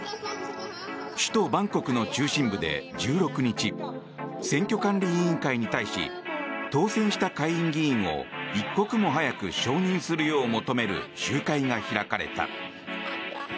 首都バンコクの中心部で１６日選挙管理委員会に対し当選した下院議員を一刻も早く承認するよう求める集会が開かれた。